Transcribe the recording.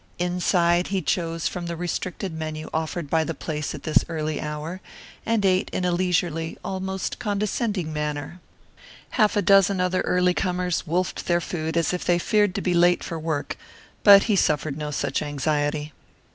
Inside he chose from the restricted menu offered by the place at this early hour and ate in a leisurely, almost condescending manner. Half a dozen other early comers wolfed their food as if they feared to be late for work, but he suffered no such anxiety.